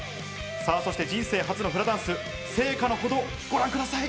さぁそして人生初のフラダンス、成果のほど、ご覧ください！